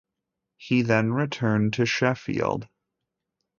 He then returned to Sheffield.